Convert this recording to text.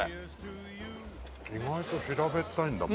意外と平べったいんだ麺。